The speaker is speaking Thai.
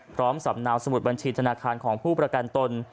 สำนาวสมุดบัญชีธนาคารของผู้ประกันตน